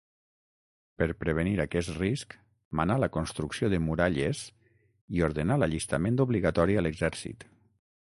Per prevenir aquest risc manà la construcció de muralles i ordenà l'allistament obligatori a l'exèrcit.